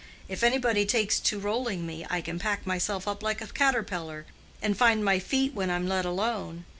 If anybody takes to rolling me, I can pack myself up like a caterpillar, and find my feet when I'm let alone.